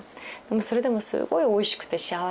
それでもすごいおいしくて幸せで。